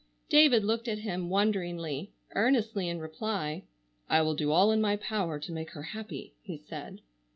David looked at him wonderingly, earnestly, in reply: "I will do all in my power to make her happy," he said.